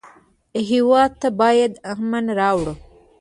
هېواد ته باید امن راوړو